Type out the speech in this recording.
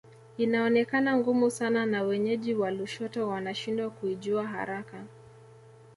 Inaonekana ngumu sana na wenyeji wa Lushoto wanashindwa kuijua haraka